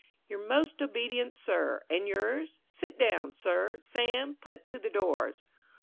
"Your most obedient, Sir?" and yours. Sit down, Sir. Sam, put to the doors.